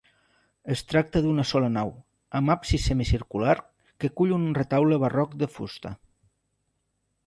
Es tracta d'una sola nau, amb absis semicircular que acull un retaule barroc de fusta.